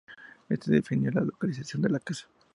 Esto definió la localización de la casa.